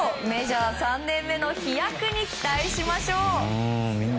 メジャー３年目の飛躍に期待しましょう。